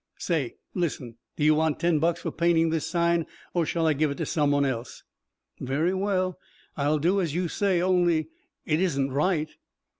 "Say, listen, do you want ten bucks for painting this sign or shall I give it to some one else?" "Very well. I'll do as you say. Only it isn't right."